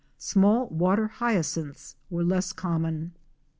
Small Water Hyacinths were less common.